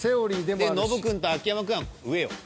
でノブくんと秋山くんは上よ。